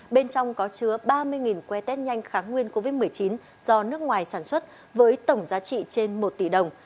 bên trong có chứa ba mươi que test nhanh kháng nguyên covid một mươi chín do nước ngoài sản xuất với tổng giá trị trên một tỷ đồng